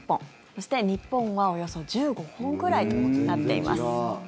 そして日本はおよそ１５本ぐらいとなっています。